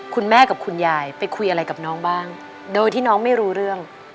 คุณยายกับคุณยายไปคุยอะไรกับน้องบ้างโดยที่น้องไม่รู้เรื่อง